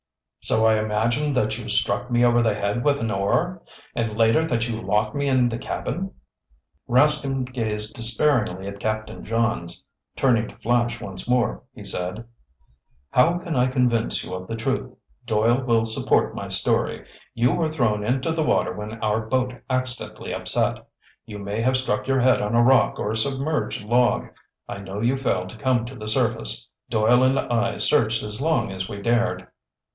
"So I imagined that you struck me over the head with an oar? And later that you locked me in the cabin?" Rascomb gazed despairingly at Captain Johns. Turning to Flash once more, he said: "How can I convince you of the truth? Doyle will support my story. You were thrown into the water when our boat accidentally upset. You may have struck your head on a rock or submerged log. I know you failed to come to the surface. Doyle and I searched as long as we dared."